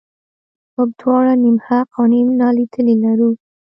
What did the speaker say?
موږ دواړه نیم حق او نیم نالیدلي لرو.